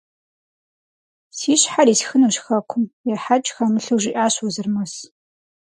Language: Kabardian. Си щхьэр исхынущ хэкум! – ехьэкӀ хэмылъу жиӀащ Уэзырмэс.